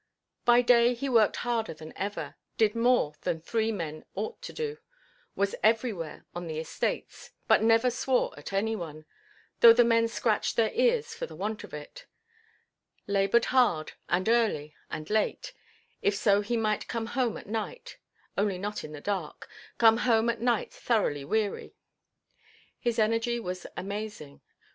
By day he worked harder than ever, did more than three men ought to do, was everywhere on the estates, but never swore at any one—though the men scratched their ears for the want of it—laboured hard, and early, and late, if so he might come home at night (only not in the dark), come home at night thoroughly weary. His energy was amazing.